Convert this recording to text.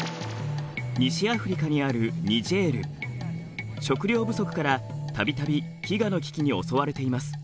西アフリカにある食料不足から度々飢餓の危機に襲われています。